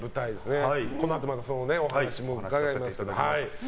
このあとお話伺います。